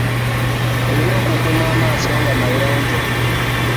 Olina okukuuma amaaso nga mayonjo.